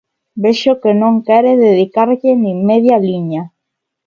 Vexo que non quere dedicarlle nin media liña.